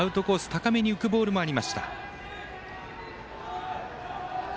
高めに浮くボールもありました。